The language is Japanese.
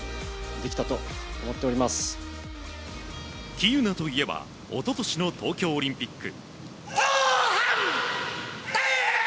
喜友名といえば一昨年の東京オリンピック。